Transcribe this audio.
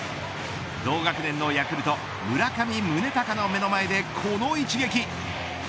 同学年のヤクルト村上宗隆の目の前でこの一撃。